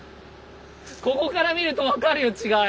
ここから見ると分かるよ違い。